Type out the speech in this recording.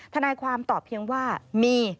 ทนายความตอบเพียงว่ามี